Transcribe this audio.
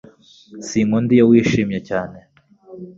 Sinkunda iyo wishimye cyane